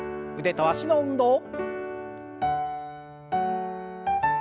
腕と脚の運動。